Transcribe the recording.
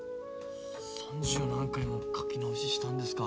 三十何回も描き直ししたんですか。